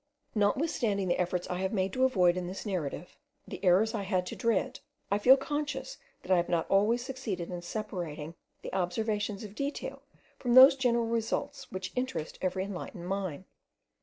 Notwithstanding the efforts I have made to avoid, in this narrative, the errors I had to dread, I feel conscious that I have not always succeeded in separating the observations of detail from those general results which interest every enlightened mind.